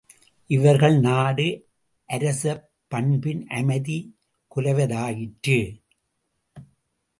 இவர்கள் நாடு அரசப்பண்பின் அமைதி குலைவதாயிற்று.